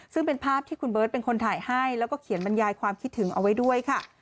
ซึ่งเป็นภาพที่คุณเบิร์ตเป็นคนถ่ายให้แล้วก็เขียนบรรยายความคิดถึงเอาไว้ด้วยค่ะ